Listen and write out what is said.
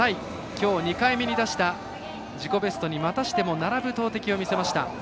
きょう２回目に出した自己ベストにまたしても並ぶ投てきを見せました。